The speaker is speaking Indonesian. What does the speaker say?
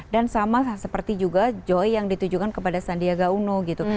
dan sama seperti juga joy yang ditujukan kepada sandi agak uno gitu